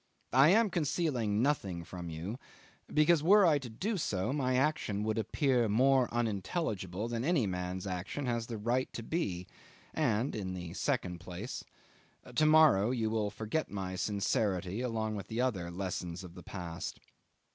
I am concealing nothing from you, because were I to do so my action would appear more unintelligible than any man's action has the right to be, and in the second place to morrow you will forget my sincerity along with the other lessons of the past.